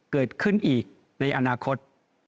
เกิดขึ้นอีกในอนาคต